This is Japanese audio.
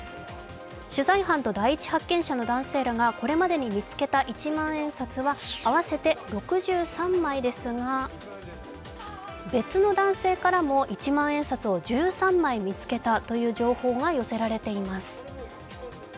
取材班と第一発見者の男性らがこれまでに見つけた一万円札は合わせて６３枚ですが別の男性からも、一万円札を１３枚見つけたという情報が寄せられています。